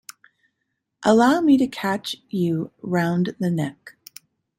Allow me to catch you round the neck.